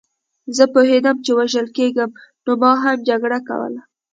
زه پوهېدم چې وژل کېږم نو ما هم جګړه کوله